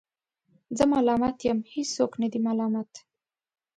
زه ملامت یم ، هیڅوک نه دی ملامت